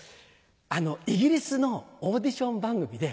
あのイギリスのオーディション番組で。